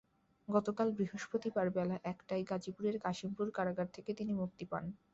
গতকাল বৃহস্পতিবার বেলা একটায় গাজীপুরের কাশিমপুর কারাগার থেকে তিনি মুক্তি পান।